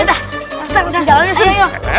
udah udah jalan jalan